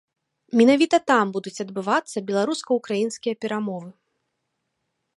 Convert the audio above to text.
Менавіта там будуць адбывацца беларуска-украінскія перамовы.